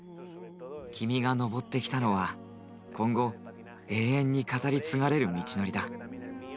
君が登ってきたのは今後永遠に語り継がれる道のりだ。